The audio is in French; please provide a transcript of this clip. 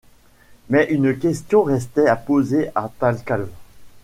Mais une question restait à poser à Thalcave.